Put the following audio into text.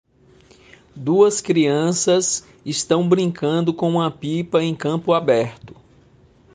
Duas crianças estão brincando com uma pipa em campo aberto.